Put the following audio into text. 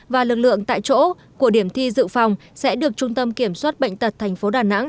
và lực lượng tại chỗ của điểm thi dự phòng sẽ được trung tâm kiểm soát bệnh tật tp đà nẵng